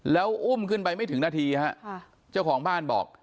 แล้วอุ้มขึ้นไปไม่ถึงนาทีฮะเจ้าของบ้านบอก